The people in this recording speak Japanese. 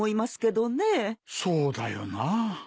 そうだよな。